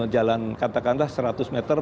jalan kata kata seratus meter